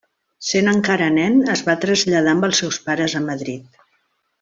Sent encara nen es va traslladar amb els seus pares a Madrid.